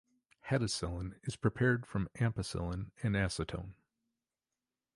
Hetacillin is prepared from ampicillin and acetone.